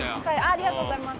ありがとうございます。